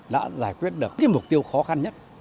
đã giải quyết được mục tiêu khó khăn nhất